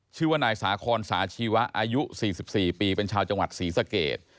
ชื่อว่านายสาคอนสาชีวะอายุ๔๔ปีเป็นชาวจังหวัดศรีสเกต